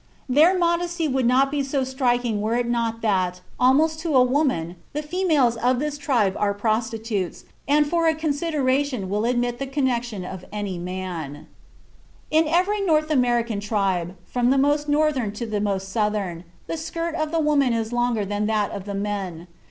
Their modesty would not be so striking were it not that, almost to a woman, the females of this tribe are prostitutes, and for a consideration will admit the connection of any man." (A.B. Holder, American Journal of Obstetrics, vol. xxv, No. 6, 1892.) "In every North American tribe, from the most northern to the most southern, the skirt of the woman is longer than that of the men.